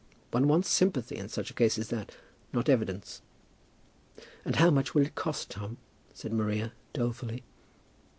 One wants sympathy in such a case as that not evidence." "And how much will it cost, Tom?" said Maria, dolefully.